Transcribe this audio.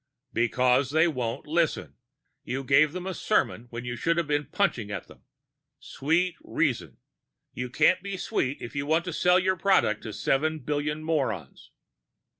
_" "Because they won't listen! You gave them a sermon when you should have been punching at them! Sweet reason! You can't be sweet if you want to sell your product to seven billion morons!"